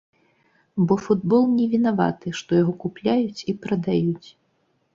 Бо футбол не вінаваты, што яго купляюць і прадаюць.